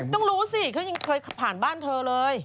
ต้องรู้สิเขายังเคยผ่านบ้านเธอเลย